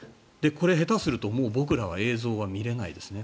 これ、下手すると僕らは映像は見れないですね。